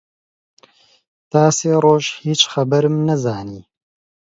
تا سێ ڕۆژ هیچ خەبەرم نەزانی